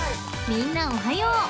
［みんなおはよう］